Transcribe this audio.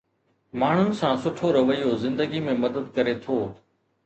ماڻهن سان سٺو رويو زندگي ۾ مدد ڪري ٿو